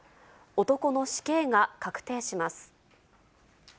男の死刑が確定します。